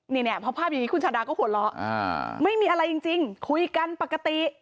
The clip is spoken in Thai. ไม่มีอะไรจริงอ่ะคุณชาดาก็หัวลอคุยกันกันปกติ